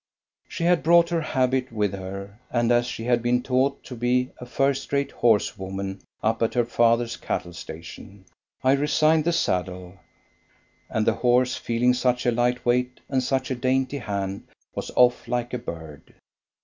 She had brought her habit with her, and as she had been taught to be a first rate horsewoman up at her father's cattle station, I resigned the saddle, and the horse, feeling such a light weight and such a dainty hand, was off like a bird.